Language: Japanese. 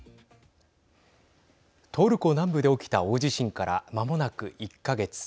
トルコ南部で起きた大地震からまもなく１か月。